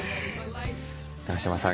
永島さん